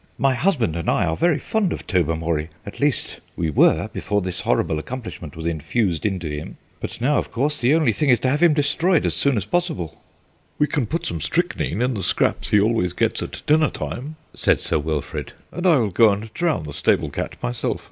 "My husband and I are very fond of Tobermory at least, we were before this horrible accomplishment was infused into him; but now, of course, the only thing is to have him destroyed as soon as possible." "We can put some strychnine in the scraps he always gets at dinner time," said Sir Wilfrid, "and I will go and drown the stable cat myself.